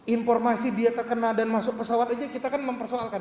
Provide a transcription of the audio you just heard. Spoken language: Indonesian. informasi dia terkena dan masuk pesawat aja kita kan mempersoalkan